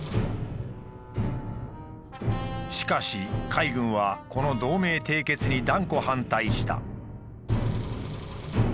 しかし海軍はこの同盟締結に断固反対した。